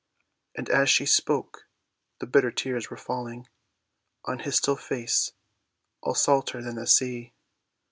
And as she spoke the bitter tears were falling On his still face, all salter than the sea.